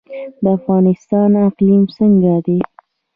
د افغانستان اقلیم څنګه دی؟